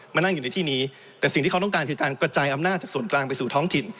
มานั่งอยู่ในที่นี้แต่สิ่งที่เขาต้องการคือการกระจายอำนาจจากส่วนกลางไปสู่ท้องถิ่น